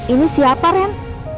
ini siapa ren